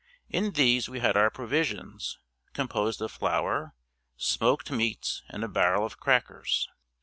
In these we had our provisions, composed of flour, smoked meats and a barrel of crackers.